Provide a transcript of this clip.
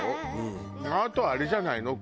あとはあれじゃないの？